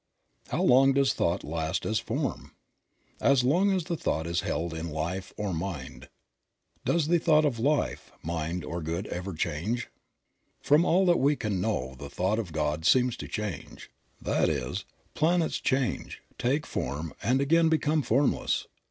How long does thought last as form? As long as the thought is held in Life or Mind. Does the thought of Life, Mind or Good ever change? From all that we can know the thought of God seems to change. That is, planets change, take form and again become formless.